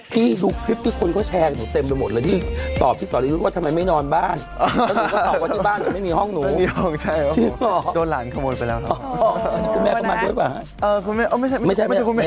ที่ดูคลิปที่คนก็แชร์กับหนูเต็มไปหมดเลยนี่ตอบพี่สอรยุทธ์ว่าทำไมไม่นอนบ้าน